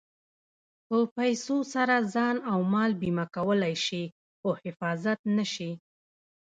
په پیسو سره ځان او مال بیمه کولی شې خو حفاظت نه شې.